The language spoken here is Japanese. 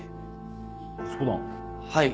はい。